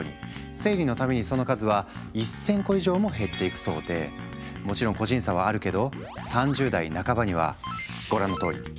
生理の度にその数は１，０００個以上も減っていくそうでもちろん個人差はあるけど３０代半ばにはご覧のとおり。